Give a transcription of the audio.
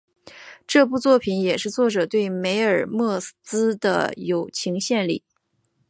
这部作品也是作者对梅尔莫兹的友情献礼。